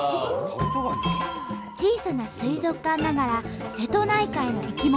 小さな水族館ながら瀬戸内海の生き物